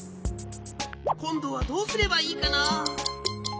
こんどはどうすればいいかな？